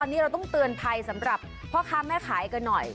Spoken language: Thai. ตอนนี้เราต้องเตือนภัยสำหรับพ่อค้าแม่ขายกันหน่อย